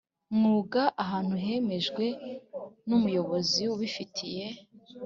Mwuga ahantu hemejwe n umuyobozi ubifitiye